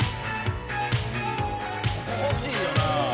ここ欲しいよな。